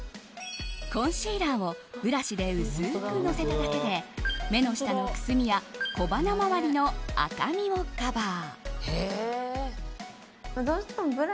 コンシーラーをブラシで薄くのせただけで目の下のくすみや小鼻周りの赤みをカバー。